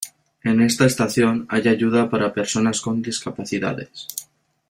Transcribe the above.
En esta estación hay ayuda para personas con discapacidades.